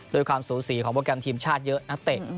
ความสูสีของโปรแกรมทีมชาติเยอะนักเตะ